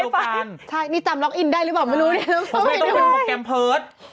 ผ้าแม่ต้องเป็นโปรแกรมเพิส